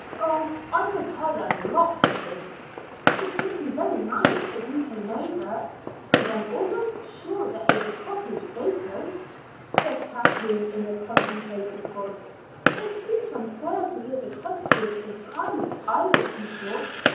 Oh, I could tell them lots of things." "It would be very nice if you came over; and I am almost sure there is a cottage vacant," said Kathleen in a contemplative voice. "It seems unfair to give the cottages entirely to Irish people.